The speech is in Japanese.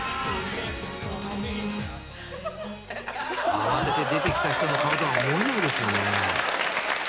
慌てて出てきた人の顔とは思えないですよね。